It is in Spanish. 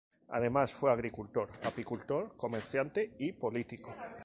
Además fue agricultor, apicultor, comerciante y político.